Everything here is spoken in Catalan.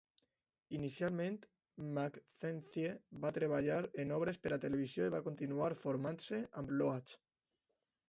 Inicialment, Mackenzie va treballar en obres per a televisió i va continuar formant-se amb Loach.